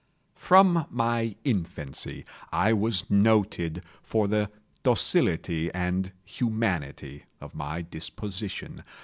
From my infancy I was noted for the docility and humanity of my disposition.